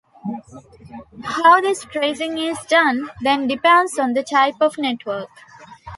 How this tracing is done then depends on the type of network.